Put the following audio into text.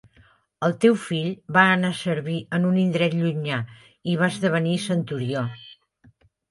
El teu fill va anar a servir en un indret llunyà i va esdevenir centurió.